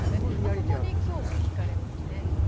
そこに興味を引かれますよね。